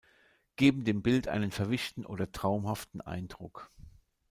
Geben dem Bild einen „verwischten“ oder „traumhaften“ Eindruck.